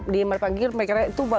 di merpanggil mereka itu